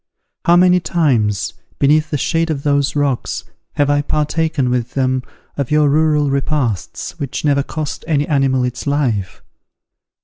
How many times, beneath the shade of those rocks, have I partaken with them of your rural repasts, which never cost any animal its life!